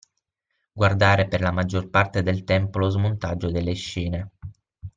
Guardare per la maggior parte del tempo lo smontaggio delle scene